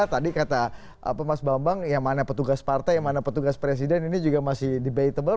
tadi kata mas bambang yang mana petugas partai yang mana petugas presiden ini juga masih debatable